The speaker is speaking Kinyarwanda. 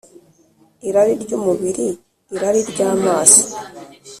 irari ry umubiri irari ry amaso